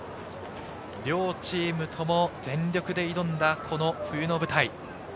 両チームとも全力で挑んだ、この冬の舞台。